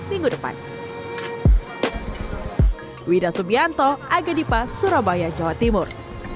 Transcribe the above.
mungkin getaway minggu depan